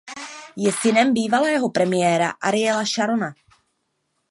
Je synem bývalého premiéra Ariela Šarona.